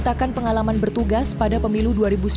menyatakan pengalaman bertugas pada pemilu dua ribu sembilan belas